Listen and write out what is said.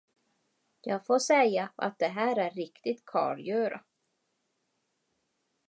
Jag får säga, att det här är riktigt karlgöra.